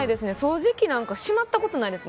掃除機なんかしまったことないです。